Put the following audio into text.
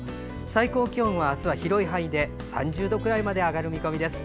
最高気温は明日は広い範囲で３０度ぐらいまで上がる見込みです。